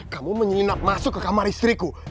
kamu menginap masuk ke kamar istriku